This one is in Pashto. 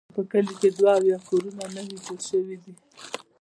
په کلي کې دوه اویا کورونه نوي جوړ شوي دي.